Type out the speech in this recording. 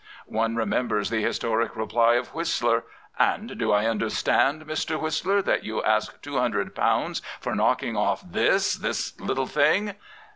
One remembers the historic reply of Whistler, And do I understand, Mr. Whistler, that you ask £200 for knocking off this — this little thing?"